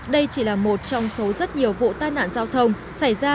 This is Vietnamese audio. đây chỉ là một trong số rất nhiều vụ tai nạn giao thông xảy ra